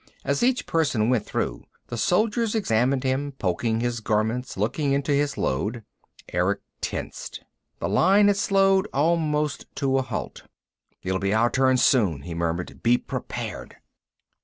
As each person went through the soldiers examined him, poking his garments, looking into his load. Erick tensed. The line had slowed almost to a halt. "It'll be our turn, soon," he murmured. "Be prepared."